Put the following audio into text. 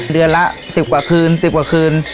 เดือนละ๑๐กว่าคืน๑๐กว่าคืน